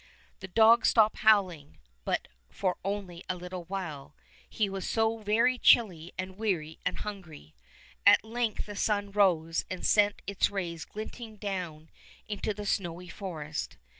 The dog stopped howling, but for only a little while, he was so very chilly and weary and hungry. At length the sun rose and sent its rays glinting down into the snowy forest.